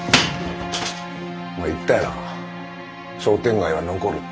お前言ったよな商店街は残るって。